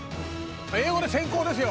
英語で先攻ですよ！